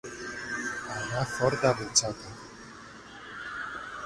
Anar fort de butxaca.